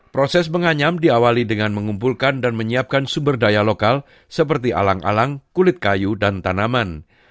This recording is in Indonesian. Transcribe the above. proses penganyam diawali dengan mengumpulkan dan menyiapkan sumber daya lokal seperti alang alang kulit kayu dan tanaman